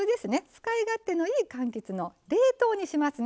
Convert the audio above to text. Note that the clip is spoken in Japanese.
使い勝手のいいかんきつの冷凍にしますね。